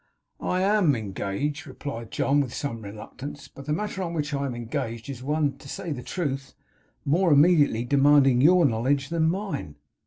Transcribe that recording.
'I AM engaged,' replied John, with some reluctance; 'but the matter on which I am engaged is one, to say the truth, more immediately demanding your knowledge than mine.